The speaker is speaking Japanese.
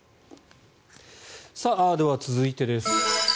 では、続いてです。